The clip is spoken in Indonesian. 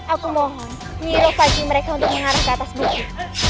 aku mohon nyiroh faham mereka untuk mengarah ke atas bukit